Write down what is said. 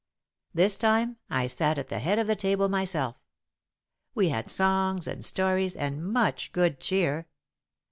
"This time I sat at the head of the table myself. We had songs and stories and much good cheer.